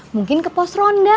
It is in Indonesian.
mungkin ke pos ronda